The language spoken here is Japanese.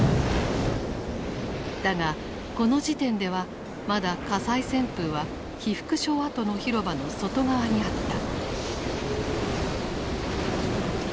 だがこの時点ではまだ火災旋風は被服廠跡の広場の外側にあった。